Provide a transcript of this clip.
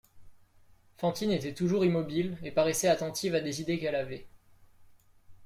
Fantine était toujours immobile et paraissait attentive à des idées qu'elle avait.